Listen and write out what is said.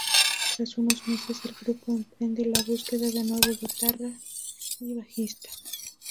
Tras unos meses el grupo emprende la búsqueda de nuevo guitarra y bajista.